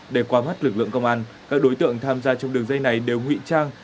để qua mắt lực lượng công an các đối tượng tham gia trong đường dây này đều ngụy trang